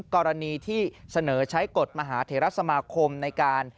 กรณีที่เสนอใช้กฎมหาเทรสมาคมในการ